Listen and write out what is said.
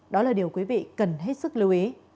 đó là điều quý vị cần hết sức lưu ý